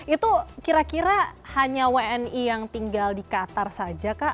itu kira kira hanya wni yang tinggal di qatar saja kak